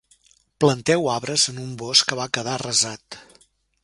Planteu arbres en un bosc que va quedar arrasat.